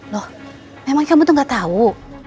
loh memang kamu tuh gak tau